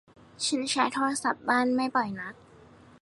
ฉันใช้โทรศัพท์บ้านไม่บ่อยนัก